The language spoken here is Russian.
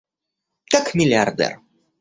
Как миллиардер!